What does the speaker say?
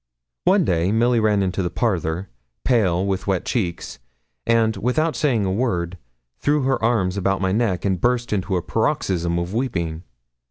One day Milly ran into the parlour, pale, with wet cheeks, and, without saying a word, threw her arms about my neck, and burst into a paroxysm of weeping.